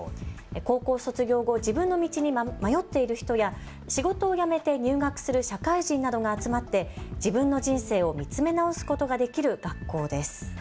高校卒業後、自分の道に迷っている人や仕事を辞めて入学する社会人などが集まって自分の人生を見つめ直すことができる学校です。